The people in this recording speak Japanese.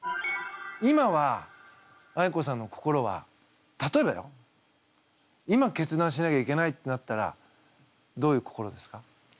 今はあいこさんの心は例えばよ今決断しなきゃいけないってなったらどういう心ですか？